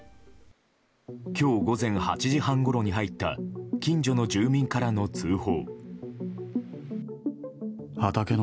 今日午前８時半ごろに入った近所の住民からの通報。